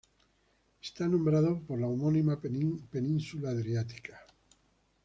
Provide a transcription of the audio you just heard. Está nombrado por la homónima península adriática.